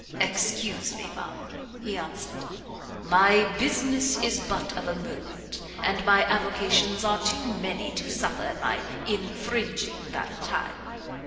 "Excuse me, ma'am," he answered, "My business is but of a moment, and my avocations are too many to suffer my infringing that time.